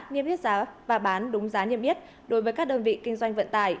niêm yết giá và bán đúng giá niêm yết đối với các đơn vị kinh doanh vận tải